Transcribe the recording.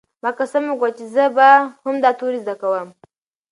ما قسم وکړ چې زه به هم دا توري زده کوم.